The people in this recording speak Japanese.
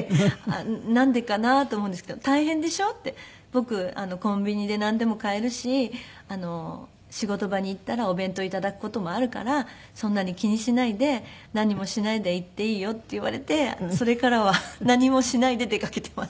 「僕コンビニでなんでも買えるし仕事場に行ったらお弁当頂く事もあるからそんなに気にしないで何もしないで行っていいよ」って言われてそれからは何もしないで出かけています。